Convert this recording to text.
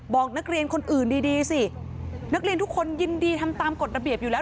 บอกนักเรียนคนอื่นดีดีสินักเรียนทุกคนยินดีทำตามกฎระเบียบอยู่แล้ว